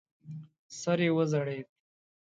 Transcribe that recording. سر یې وځړېد.